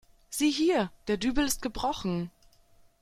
Sieh hier, der Dübel ist gebrochen.